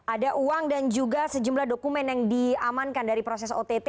ada uang dan juga sejumlah dokumen yang diamankan dari proses ott